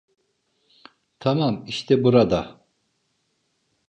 Tamam, işte burada.